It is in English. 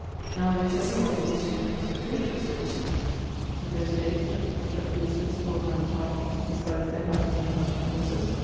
Now a dayes every one, forsooth! must have coaches, forsooth! In those dayes gentlemen kept horses for a man at armes, besides their hackney and hunting horses.